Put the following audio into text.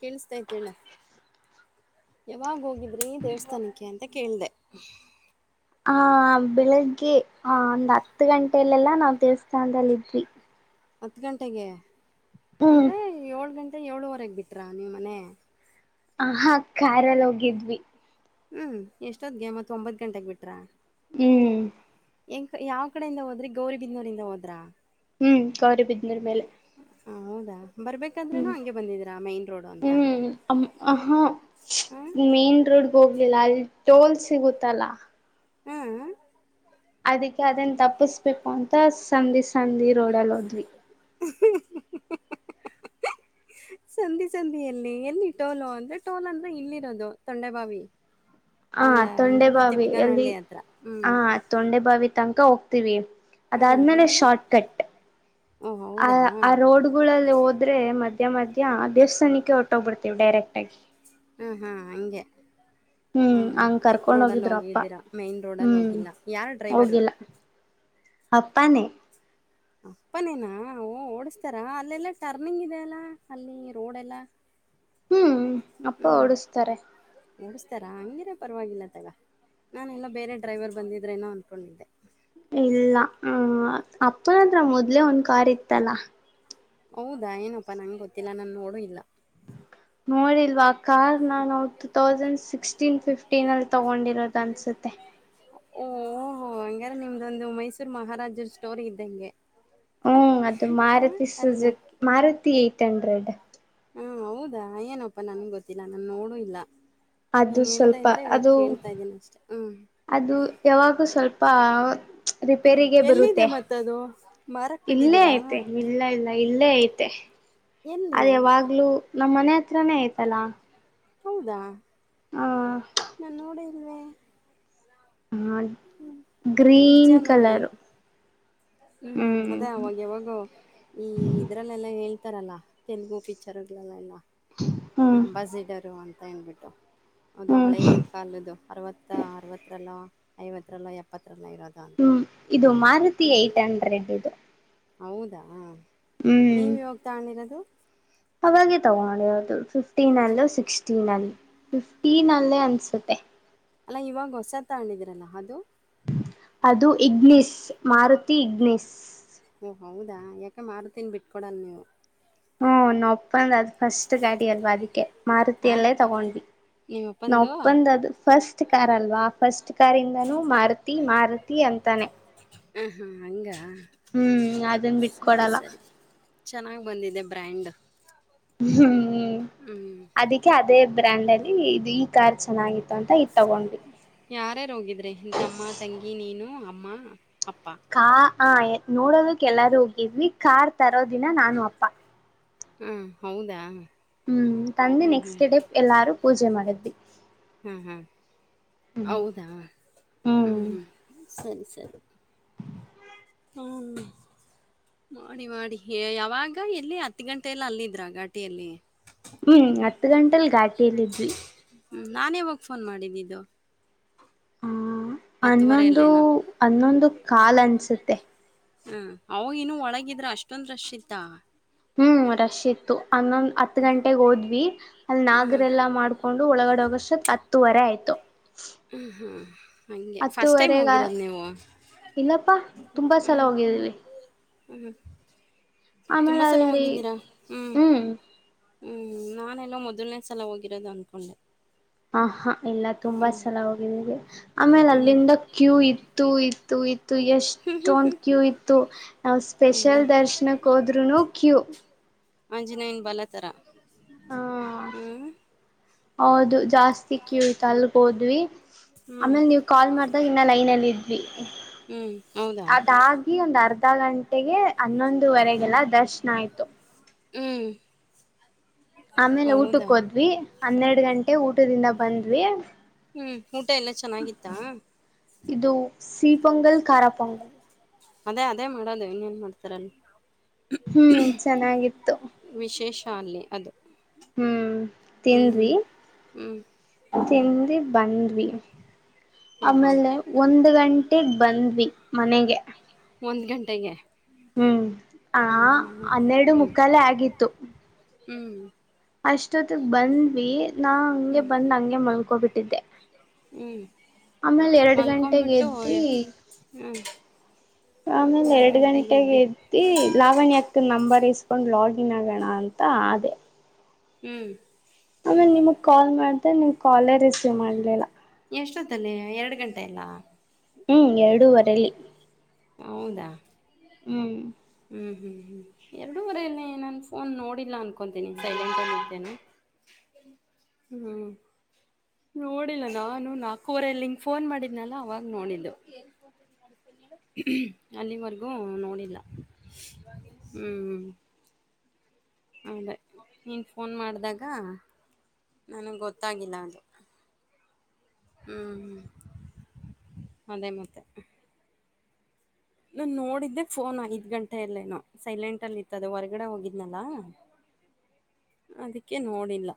ಕೇಳಿಸ್ತಾತೆ ಹೇಳ ಯಾವಾಗ ಹೋಗಿ ಹ ಬೆಳಿಗ್ಗೆ ಆ ಒಂದ್ ಹತ್ತು ಗಂಟೆಯಲ್ಲೆಲ್ಲಾ ನಾವು ದೇವಸ್ಥಾನದಲ್ಲಿದ್ವಿ ಹತ್ ಗಂಟೆಗೆ ಹ್ಮ್ ಅಂದ್ರೆ ಏಳ್ ಗಂಟೆ ಅದೇ ಏಳುವರೆಗೆ ಬಿಟ್ರಾ ನೀವು ಮನೆ ಆ ಹಾ ಕಾರಲ ಹೋಗಿದ್ವಿ ಹ್ಮ್ ಎಷ್ಟೊದ್ಗೆ ಮತ್ತತ್ ಒಂಬತ್ ಗಂಟೆೆಗೆ ಬಿಟ್ರಾ ಹ್ಮ್ ಎಂಗ ಯಾವ್ ಕಡೆಯಿಂದ ಹೋದ್ರಿ ಗೌರಿಬಿಂದೂರಿಂದ ಹೋದ್ರಾ ಹ್ಮ್ ಗೌರಿಬಿದನೂರು ಮೇಲೆ ಹ ಹೌದಾ ಬರ್ಬೇಕಂದ್ರೆನು ಹಂಗೆ ಬಂದಿದೀರಾ ಮೈನ್ ರೋಡ್ ಅಂತ ಮ ಹ ಹ ಮೇನ್ ರೋಡ್ ಗೋಗಿ ಲಿಲ್ಲ ಅಲ್ಲಿ ಟೋಲ್ ಸಿಗುತ್ತಲ್ಲ ಹ್ಮ್ ಅದಕ್ಕೆ ಅದನ್ ತಪ್ಪಸ್ಬೇಕು ಅಂತ ಸಂದಿ ಸಂದಿ ರೋಡಲ್ ಹೋದ್ವಿ ಹ ಸಂಧಿ ಸಧಿಯ ಎಲ್ಲಿ ಎಲ್ಲಿ ಟೋಲು ಅಂದ್ರೆ ಟೋಲ್ ಅಂದ್ರೆ ಇಲ್ಲಿರೋದು ತೊಂಡೆಬಾವಿ ಹ ಅಲ್ಲ ತೊಂಡೆ ಎಂತದ್ದು ಬಾವಿ ಅಲ್ಲಿ ತಿಪ್ಕನಹಳ್ಳಿ ಹತ್ರ ಹ್ಮ್ ಹ ತೊಂಡೆಬಾವಿ ತನಕ ಹೋಗ್ತೀವಿ. ಹಾ ಅದಾದ್ಮೇಲೆ ಆಮೇಲೆ ಶಾರ್ಟ್ ಕಟ್ ಓ ಆ ಆ ಹೌದಾ ರೋಡ್ಗಳಲ್ಲಿ ಹ ಆದ್ರೆ ಮಧ್ಯ ಮಧ್ಯ್ಯಾ ದೇವಸ್ಥಾನಕ್ಕೆ ಹೊಟೋಗ್ ಬಿಡ್ತೀವಿ ಡೈರೆಕ್ಟ್ ಆಗಿ ಹಾ ಹಾ ಹಂಗೆ ಹ್ಮ್ ಹಾಂ ಹಂಗ ಚಿಕ್ಕ ಕರ್ಕೊಂಡ್ ರೋಡಲ್ಲಿ ಹೋಗಿದ್ರು ಅಪ್ಪ ಹೋಗಿದ್ದೀರಾ ಮೈನ್ ರೋಡಲ್ಲಿ ಹ್ಮ್ ಹೋಗಿಲ್ಲ ಯಾರ ಡ್ರೈವರು ಅಪ್ಪಾನೆ ಅಪ್ಪನೇನಾ ಓಡಸ್ತಾರ ಅಲ್ಲೆಲ್ಲಾ ಟರ್ನಿಂಗ್ ಇದೆ ಅಲ್ಲಾ ಅಲ್ಲಿ ರೋಡೆ ಎಲ್ಲಾ ಹ್ಮ್ ಅಪ್ಪ ಓಡಸ್ತಾರೆ ನಡ್ಸ್್ತಾರಾ ಹಂಗೆರ ಪರವಾಗಿಲ್ಲ ತಗ ನಾನೆಲ್ಲ ಬೇರೆ ಡ್ರೈವರ್ ಬಂದಿದ್ದ್ರೇನೋ ಅಂದ್ಕೊಂಡಿದ್ದೆ. ಇಲ್ಲ ಹ್ಮ ಅಪ್ಪನತ್ರ ಮೊದ್ಲೆೇ ಒಂದ್ ಕಾರ್ ಇತ್ತಲ್ಲ ಹೌದಾ ಏನಪ್ಪಾ ನಂಗೆ ಗೊತ್ತಿಲ್ಲ ನಾನ ನೋಡು ಇಲ್ಲ. ನೋಡಿಲ ಆ ಕಾರ್ ನಾವ ಟೂ ತೌಸಂಡ್ ಸಿಕ್ಸ್ಟೀನ್ ಫಿಫ್ಟೀನ್ ಅಲ್ಲಿ ತಗೊಂಡಿರೋದ ಅನ್ಸುತ್ತೆ ಓಹಓಹೋ ಹಂಗ್ಯಾರ ನಿಮ್ದೊಂದು ಮೈಸೂರು ಮಹಾರಾಜರ ಸ್ಟೋರ್ ಇದ್ದಂಗೆ. ಹ್ಮ್ ಅದು ಹಾಂ ಮಾರುತಿ ಅಲ್ವಾ ಸುಜಕ್ ಮಾರುತಿ ಏಟ್ ಹಂಡ್ರೆಡ್ ಹಾ ಹೌದಾ ಏನಪ್ಪಾ ನನ್ಗೆ ಗೊತ್ತಿಲ್ಲ ನಾನ ನೋಡು ಇಲ್ಲ ಅದು ನೀನ್ ಹೇಳ್ತಾ ಸ್ವಲ್ಪ ಇದ್ರೆ ಇವಾಗ ಅದು ಹೇಳ್ತಾ ಇದ್ದೀನಿ ಅಷ್ಟೆ ಹ್ಮ್ ಅದು ಯಾವಾಗೂ ಸ್ವಲ್ಪ ಹ್ಮ್ ರಿಪೇರಿಗೆ ಎಲ್ಲಿದೆ ಬರುತ್ತೆ ಮತ್ತದು ಮಾರಕ್ ಇಲ್ಲೇ ಬಿಟ್ಟಿದ್ದೀರಾ ಐತೆ ಇಲ್ಲ ಇಲ್ಲ ಇಲ್ಲೇ ಐತೆ ಎಲ್ಲಿ ಅದ ಯಾವಾಗ್ಲುೂ ನಮ್ಮ ಮನೆ ಹತ್ರಾನೇ ಆಯ್ತಲ್ಲ ಹೌದಾ ನಾನ್ ನೋಡಿ ಹ ನಿಜ ಗ್ರೀನ್ ಕಲರ್ ನೋಡೇನು ಹ್ಮ್ ಅದೇ ಅವಾಗ ಯಾವಾಗ ಈ ಇದ್ರಲ್ಲೆಲ್ಲಾ ಹೇಳ್ತ ತರಲ್ಲ ತೆಲುಗು ಪಿಕ್ಚರ್ಗಳೆಲ್ಲ ಹ್ಮ್ ಅಂಬಾಸಿಟರ್ ಅಂತ ಹೇಳಬಿಟ್ಟು ಅದು ಹ್ಮ್ ಹಳೆ ಕಾಲದು ಅರವತ್ತ ಅರವತ್ರಲ್ಲ ಐವತ್ರರಲ್ಲ ಎಪ್ಪತ್ತ ಹ್ಮ್ ಇದು ಮಾರುತಿ ಏಟ್ ಹಂಡ್ರೆಡ್ ಇದು ಹೌದಾ ನೀವ ಯಾವಾಗ ತೊಗೊಂಡಿರೋದು ಆವಾಗೆ ತಗೊಂಡಿರೋದು ಫಿಫ್ಟೀನ್ ಅಲ್ಲೋ ಸಿಕ್ಸ್ಟೀನ್ ಅಲ್ಲಿ ಫಿಫ್ಟೀನ್ ಅಲ್ಲೇ ಅನ್ಸುತ್ತೆ ಅಲ್ಲಾ ಇವಾಗ ಹೊಸದ ತೊಗೊಂಡಿದ್ರಲ್ಲ ಅದು ಅದು ಇಗ್ನಿಸ್ ಮಾರುತಿ ಇಗ್ನಿಸ್ ಓ ಹೌದಾ ಯಾಕೆ ಮಾರತೀನಿ ಬಿಟ್ಕೊಡಲ್ ನೀವು ಹ್ಮ್ ನಮ್ ಅಪ್ಪಂದ್ ಅದು ಫಸ್ಟ್ ಗಾಡಿ ಅಲ್ವಾ ಅದಕ್ಕೆ ಆ? ಮಾರುತಿಯಲ್ಲೇ ತಗೊಂಡ್ವಿ ನಿಮ್ಮ ನಮ್ ಅಪ್ಪಂದು? ಅಪ್ಪಂದ್ ಹಾಂ, ಅದು ಫಸ್ಟ್ ಕಾರ್ ಅಲ್ವಾ ಆ ಫಸ್ಟ್ ಕಾರ್ ಇಂದಾನೂ ಮಾರುತಿ ಮಾರುತಿ ಅಂತ ತಾನೇ ಹೂ ಹೂ ಹಂಗಾ ಹ್ಮ್ ಅದನ್ ಬಿಟ್ಕೊಡಲ್ಲ ಚೆನ್ನಾಗ ಬಂದಿದೆ ಬ್ರ್ಯಾಂಡ್ ಹ್ಮ್ ಅದಕ್ಕೆ ಅದೇ ಬ್ರ್ಯಾಂಡ್ ಅಲ್ಲಿ ಇದು ಈ ಕಾರ್ ಚೆನ್ನಾಗಿತ್ತು ಅಂತ ಇದು ತಗೊಂಡ್ವಿ ಯಾರ ಯಾರ್ ಹೋಗಿದ್ರೆ ನಿಮ್ಮ ತಮ್ಮ ತಂಗಿ ನೀನು ಅಮ್ಮ ಅಪ್ಪ ಕಾ ಆ ನೋಡೋದಕ್ಕೆ ಎಲ್ಲಾರೂ ಹೋಗಿದ್ವಿ ಕಾರ್ ತರೋದಿನ ನಾನು ಅಪ್ಪಾ ಹೂ ಹೌದಾ ಹ್ಮ್ ತಂದಿ ಹ್ಞೂ, ಹ್ಞೂ. ನೆಕ್ಸ್ಟ್ ಡೇ ಎಲ್ಲಾರು ಪೂಜೆ ಮಾಡಿದ್ವಿ ಹಾಂ ಹಾಂ ಹ್ಮ್ ಹೌದಾ ಹೂ ಹ್ಮ್ ಸರಿ ಸರಿ ಹೂ ಮಾಡಿ ಮಾಡಿ ಯಾವಾಗ ಎಲ್ಲಿ ಹತ್ತು ಗಂಟೆ ಎಲ್ಲ ಅಲ್ಲಿದ್ರ ಘಟಿಯಲ್ಲಿ ಹ್ಮ್ ಹತ್ತು ಗಂಟೆಲ್ ಘಾಟಿಯಲ್ಲಿದ್ವಿ ಹ್ಞ ನಾನು ಯಾವಾಗ ಫೋನ್ ಮಾಡ ಅಂದಿದು ಹ ಹನ್ನೊಂದು ಅಲ್ಲೇನೋ? ಹನ್ನೊಂದು ಕಾಲ್ ಅನ್ಸುತ್ತೆ ಹ್ಮ ಅವಗ ಇನ್ನು ಒಳಗಿದ್ರ ಅಷ್ಟೊಂದ್ ರಶ್ ಇತ್ತಾ ಹ್ಮ್ ರಶ್ ಇತ್ತು ಹನ್ನೊಂದ್ ಹತ್ತು ಗಂಟೆಗ್ ಹೋದ್ವಿ ಅಲ್ಲಿ ಹ್ಮ್. ನಾಗರೆಲ್ಲಾ ಮಾಡ್ಕೊಂಡು ಒಳಗಡೆೋಗಷ್ಟತ್ ಹತ್ತುವರೆ ಆಯ್ತು ಹ್ಮ್ ಹ್ಮ್ ಹಂಗೆ ಫಸ್ಟ್ ಟೈಮ್ ಹತ್ತುವರೆಗ ಹೋಗಿರೋದು ನೀವು ಇಲ್ಲಪ್ಪಾ ತುಂಬಾ ಹ್ಞೂ ಸಲ ಹೋಗಿದೀವಿ ಹ್ಮ್ ತುಂಬ ಆಮೇಲೆ ಸಲ ಅಲ್ಲಿ ಹೋಗಿದ್ದೀರಾ? ಹ್ಮ್, ಹೂ ಹ್ಮ್ ನಾನೆಲ್ಲೋ ಮೊದಲನೇ ಸಲ ಹೋಗಿರೋದು ಅಂದ್ಕೊಂಡೆ ಹ ಹಾ ಇಲ್ಲ ತುಂಬಾ ಹ್ಮ್, ಸಲಾ ಹೋಗಿದೀವಿ ಆಮೇಲೆ ಹ್ಮ್. ಅಲ್ಲಿಂದ ಕ್ಯೂ ಇತ್ತು ಇತ್ತು ಇತ್ತು ಎಷ್ಟೊಂದ ಕ್ಯೂ ಇತ್ತು ನಾವು ಹೌದಾ? ಸ್ಪೆಷಲ್ ದರ್ಶನಕ್ಕೆ ಹೋದ್ನು ಕ್ಯೂ ಆಂಜನಯನ್ ಬಲತಾರ ಹಾ ಹ ಹೌದು ಜಾಸ್ತಿ ಕ್ಯೂ ಇತ್ತು ಅಲ್ಗ ಹೋದ್ವಿ ಹ್ಮ್, ಆಮೇಲ್ ನೀವು ಕಾಲ್ ಮಾಡ್ದಾಗ ಇನ್ನ ಲೈನ್ ಅಲ್ಲಿ ಇದ್ವಿ ಹ್ಮ್. ಹೌದಾ? ಅದಾಗಿ ಒಂದ್ ಅರ್ಧ ಗಂಟೆಗೆ ಹನ್ನೊಂದುವರೆಗೆಲ್ಲ ದರ್ಶನ ಆಯ್ತು ಹ್ಮ್ ಆಮೇಲೆ ಊಟಕ್ಕೆ ಹೌದಾ? ಹೋದ್ವಿ ಹನ್ನೆರಡು ಗಂಟೆ ಊಟದಿಂದ ಬಂದ್ವಿ ಹ್ಮ್ ಊಟ ಎಲ್ಲ ಚೆನ್ನಾಗಿತ್ತಾ ಇದು ಸೀಪೊಂಗಲ್ ಖಾರಾಪೊಂಗಲ್ ಅದೇ ಅದೇ ಮಾಡೋದು ಇನ್ನೇನ್ ಮಾಡ್ತಾರಲ್ಲಿ ಹ್ಮ್ ಚೆನ್ನಾಗಿತ್ತು ಶಾಲಿ ಅದು ಹ್ಮ್ ತಿಂದವಿ ಹ್ಮ್ ಹ್ಮ್ ತಿಂದು ಬಂದ್ವಿ ಹಾ ಹಾ ಆಮೇಲೆ ಒಂದ್ ಗಂಟೆಗೆ ಬಂದ್ವಿ ಮನೆಗೆ ಒಂದ್ ಗಂಟೆಗೆ ಹ್ಮ್ ಆ ಹ್ಮ್ ಹೌದು. ಹನ್ನೆರಡು ಹ್ಮ್ ಮುಖಾಲೆ ಆಗಿತ್ತು ಹ್ಮ್ [unintelligible] ಅಷ್ಟೊತ್ತಗ್ ಬಂದ್ವಿ ನಾ ಹಂಗೆ ಬಂದ್ ಹಂಗೆ ಮಲ್ಕೊಬಿಟ್ಟಿದ್ದೆ ಹ್ಮ ಮಲ್ಕಂ ಗಂಟೆಗೆ ಬಿಟ್ಟು ಹ ಎದ್ದಿ ಹ್ಮ ಆಮೇಲೆ ಎರಡ್ ಗಂಟೆಗೆ ಎದ್ದಿ ಲಾವಣಿ ಅಕ್ಕ ನಂಬರ್ಸ್ ಕಕೊಂಡ್ ಲಾಗಿನ್ ಆಗೋಣ ಅಂತ ಆದೆ ಹ್ಮ್ ಆಮೇನ್ ನಿಮಗ್ ಕಾಲ್ ಮಾಡ್ ನೀಕಾಲೇ ರಿಸೀವ್ ಮಾಡ್ಲಿಲ್ಲ ಎಷ್ಟೊತ್ತಲೆ ಎರಡು ಗಂಟೆ ಎಲ್ಲ ಹ್ಮ್ ಎರಡೂವರೆಲ್ಲಿ ಹೌದಾ ಹ್ಮ್ ಹ್ಞೂ ಹ್ಮ ಹ್ಮ ಎರಡೂವರಲ್ಲೇ ನಾನು ಫೋನ್ ನೋಡಿಲ್ಲ ಅನ್ಕೊತೀನಿ ಸೈಲೆಂಟಲ್ಲಿತ್ತೇನೆ ಹ್ಮ್ ನೋಡಿಲ್ಲ ನಾನು ನಾಲ್ಕೂವರೆಲ್ಲಿ ಹಂಗ್ ಫೋನ್ ಮಾಡಿದ್ನಲ್ಲ ಅವಾಗ ನೋಡಿದ್ದಲು ಅಲ್ಲಿವರೆಗೂ ನೋಡಿಲ್ಲ ಹ್ಮ್ ಹೌದ ನೀನು ಫೋನ್ ಮಾಡಿದಾಗ ನನಗ್ ಗೊತ್ತಾಗಿಲ್ಲ ಅದು ಹ್ಮ್ ಹ್ಮ್ ಅದೇ ಮತ್ತೆ ನನ್ ನೋಡಿದ್ದೆ ಫೋನ್ ಐದ್ ಗಂಟೆಯಲ್ಲೇನೋ ಸೈಲೆಂಟ್ ಅಲ್ಲಿ ಇತ್ತದ ಹೊರಗಡೆ ಹೋಗಿದ್ನಲ್ಲಾ ಅದಕ್ಕೆ ನೋಡಿಲ್ಲ